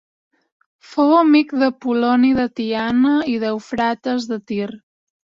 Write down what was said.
Fou amic d'Apol·loni de Tiana i d'Eufrates de Tir.